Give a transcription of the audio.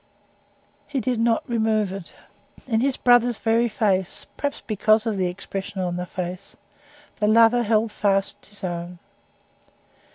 He did not remove it. In his brother's very face perhaps because of the expression of that face the lover held fast his own.